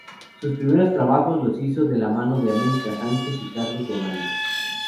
Sus primeros trabajos los hizo de la mano de America Sánchez y Carlos Rolando.